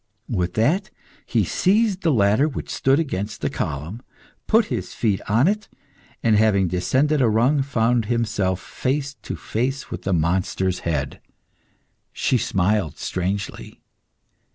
With that he seized the ladder which stood against the column, put his feet on it, and having descended a rung, found himself face to face with the monster's head; she smiled strangely.